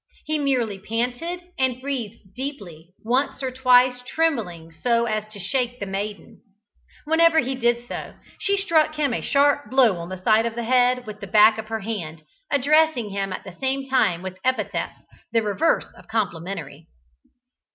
He merely panted and breathed deeply, once or twice trembling so as to shake the maiden. Whenever he did so, she struck him a sharp blow on the side of the head with the back of her hand, addressing him at the same time with epithets the reverse of complimentary.